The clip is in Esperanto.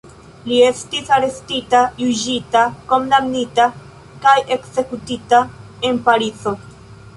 Li estis arestita, juĝita, kondamnita kaj ekzekutita en Parizo.